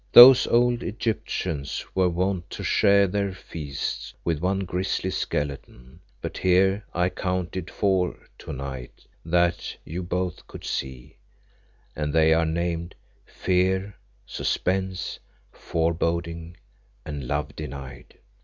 Those old Egyptians were wont to share their feasts with one grizzly skeleton, but here I counted four to night that you both could see, and they are named Fear, Suspense, Foreboding, and Love denied.